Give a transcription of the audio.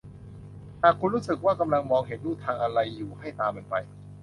หากคุณรู้สึกว่ากำลังมองเห็นลู่ทางอะไรอยู่ให้ตามมันไป